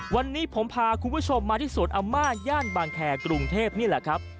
วันนี้ผมพาคุณผู้ชมมาที่สวนอาม่าย่านบางแคร์กรุงเทพนี่แหละครับ